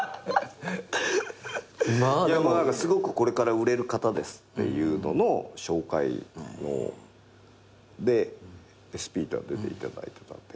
何かすごくこれから売れる方ですっていうのの紹介で『ＳＰ』出ていただいてたんで。